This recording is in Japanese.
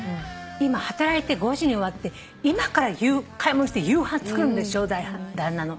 今働いて５時に終わって今から買い物して夕飯作るんでしょ旦那の。